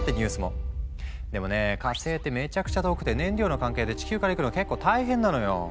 でもね火星ってめちゃくちゃ遠くて燃料の関係で地球から行くの結構大変なのよ。